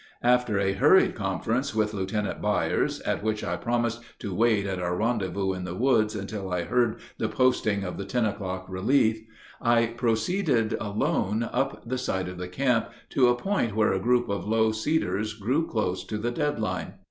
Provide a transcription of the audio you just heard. After a hurried conference with Lieutenant Byers, at which I promised to wait at our rendezvous in the woods until I heard the posting of the ten o'clock relief, I proceeded alone up the side of the camp to a point where a group of low cedars grew close to the dead line.